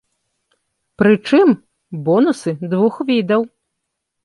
Прычым, бонусы двух відаў.